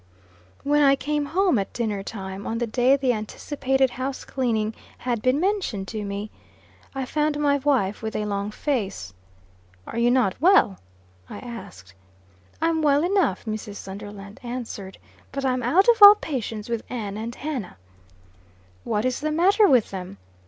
When I came home at dinner time, on the day the anticipated house cleaning had been mentioned to me, I found my wife with a long face. "Are you not well?" I asked. "I'm well enough," Mrs. Sunderland answered, "but I'm out of all patience with Ann and Hannah." "What is the matter with them?"